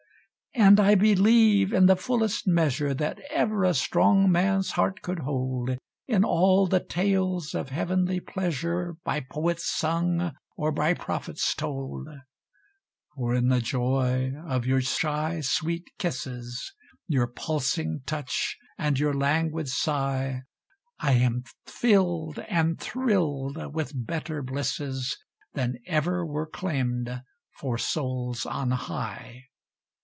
And I believe, in the fullest measure That ever a strong man's heart could hold, In all the tales of heavenly pleasure By poets sung or by prophets told; For in the joy of your shy, sweet kisses, Your pulsing touch and your languid sigh I am filled and thrilled with better blisses Than ever were claimed for souls on high.